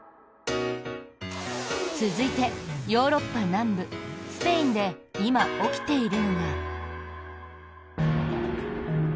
続いてヨーロッパ南部スペインで今、起きているのが。